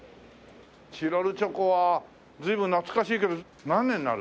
チロルチョコは随分懐かしいけど何年になる？